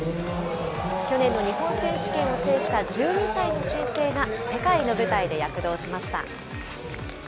去年の日本選手権を制した１２歳の新星が、世界の舞台で躍動しました。